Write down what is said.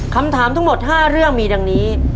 คำถามทั้งหมด๕เรื่องมีดังนี้